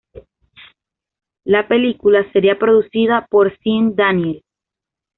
La película sería producida por Sean Daniel.